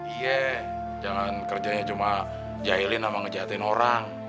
iya jangan kerjanya cuma jailin sama ngejahatin orang